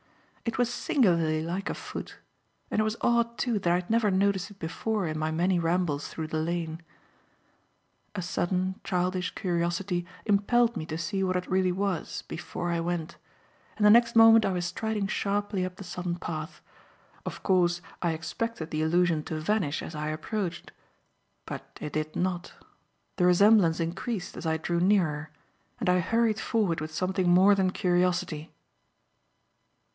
It was singularly like a foot; and it was odd, too, that I had never noticed it before in my many rambles through the lane. A sudden, childish curiosity impelled me to see what it really was before I went, and the next moment I was striding sharply up the sodden path. Of course, I expected the illusion to vanish as I approached. But it did not. The resemblance increased as I drew nearer, and I hurried forward with something more than curiosity.